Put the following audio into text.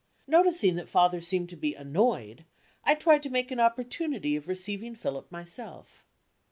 Noticing that father seemed to be annoyed, I tried to make an opportunity of receiving Philip myself.